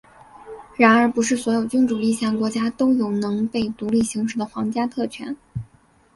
然而不是所有君主立宪国家都有能被独立行使的皇家特权。